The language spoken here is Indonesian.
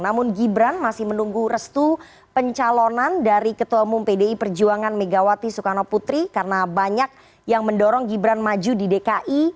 namun gibran masih menunggu restu pencalonan dari ketua umum pdi perjuangan megawati soekarno putri karena banyak yang mendorong gibran maju di dki